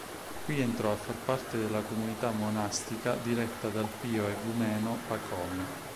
Qui entrò a far parte della comunità monastica diretta dal pio egumeno Pacomio.